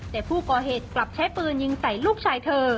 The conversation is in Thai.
แต่ผู้ก่อเหตุกลับใช้ปืนยิงใส่ลูกชายเธอ